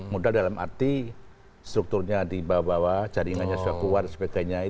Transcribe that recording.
modal dalam arti strukturnya di bawah bawah jaringannya sudah kuat dan sebagainya